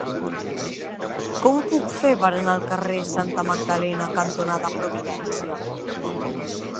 Com ho puc fer per anar al carrer Santa Magdalena cantonada Providència?